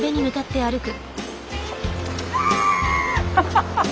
ハハハハッ。